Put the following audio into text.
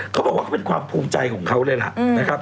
เขาบอกว่าเขาเป็นความภูมิใจของเขาเลยล่ะนะครับ